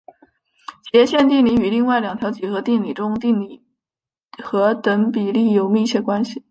截线定理与另外两条几何定理中点定理和等比定理有密切关系。